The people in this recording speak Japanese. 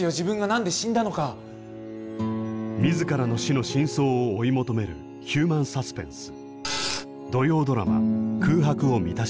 自らの死の真相を追い求めるヒューマンサスペンス。